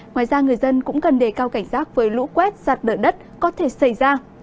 ngoài ra người dân cũng cần đề cao cảnh giác với lũ quét sạt lở đất có thể xảy ra